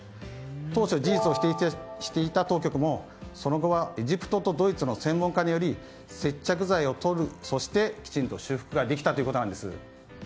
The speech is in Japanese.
当初、事実を否定していた当局もその後はエジプトとドイツの専門家により接着剤を取りそして、きちんと修復ができたということなんです。